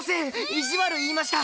意地悪言いました！